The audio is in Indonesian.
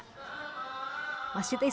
masjid istiqlal terbuka berguna